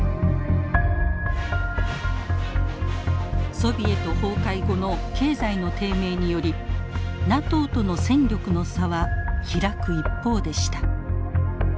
ソビエト崩壊後の経済の低迷によりＮＡＴＯとの戦力の差は開く一方でした。